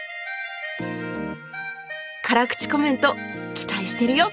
辛口コメント期待してるよ！